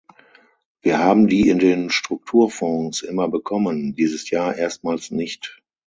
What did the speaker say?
Wir haben die in den Strukturfonds immer bekommen, dieses Jahr erstmals nicht.